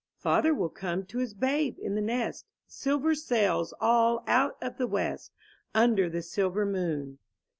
Father will come to his babe in the nest. Silver sails all out of the west Under the silver moon.